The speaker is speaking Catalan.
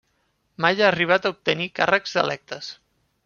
Mai ha arribat a obtenir càrrecs electes.